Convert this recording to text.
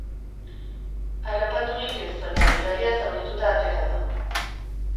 Harrapaturik ez baina gidaria zaurituta atera da.